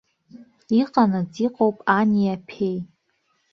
Иҟанаҵ иҟоуп ани-аԥеи!